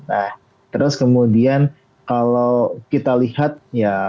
nah terus kemudian kalau kita lihat ya